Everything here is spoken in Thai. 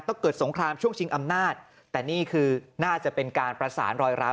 เกิดสงครามช่วงชิงอำนาจแต่นี่คือน่าจะเป็นการประสานรอยร้าว